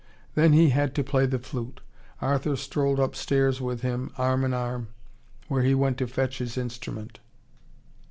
Then he had to play the flute. Arthur strolled upstairs with him, arm in arm, where he went to fetch his instrument.